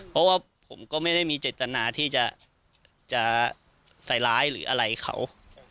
เพราะว่าผมก็ไม่ได้มีเจตนาที่จะใส่ร้ายหรืออะไรเขา